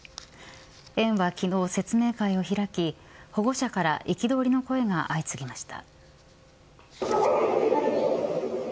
園は昨日、説明会を開き保護者から憤りの声が相次ぎました。